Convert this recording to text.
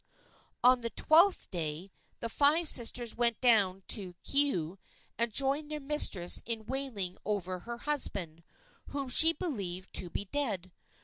On the twelfth day the five sisters went down to Keaau and joined their mistress in wailing over her husband, whom she believed to be dead.